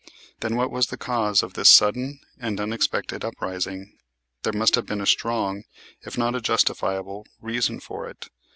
Then, what was the cause of this sudden and unexpected uprising? There must have been a strong, if not a justifiable, reason for it.